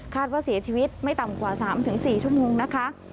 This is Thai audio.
ว่าเสียชีวิตไม่ต่ำกว่า๓๔ชั่วโมงนะคะ